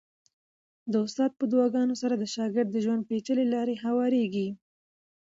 د استاد په دعاګانو سره د شاګرد د ژوند پېچلې لارې هوارېږي.